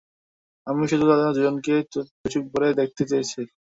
আমি শুধু দুজনকে দুচোঁখ ভরে দেখতে চেয়েছি।